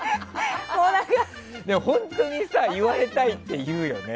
本当に言われたいっていうよね。